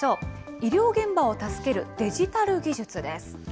医療現場を助けるデジタル技術です。